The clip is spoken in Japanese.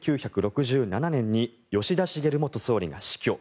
１９６７年に吉田茂元総理が死去。